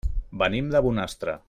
Venim de Bonastre.